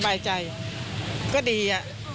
สบายใจก็ดีอ่ะ